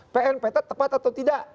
pnpt tepat atau tidak